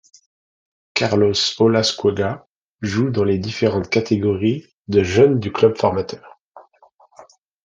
Carlos Olascuaga joue dans les différentes catégories de jeunes du club formateur.